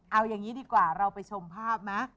เอาอย่างนี้ดีกว่าเราไปชมภาพนะ